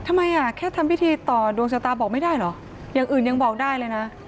ทำไมอ่ะแค่ทำพิธีต่อดวงชะตาบอกไม่ได้เหรออย่างอื่นยังบอกได้เลยนะ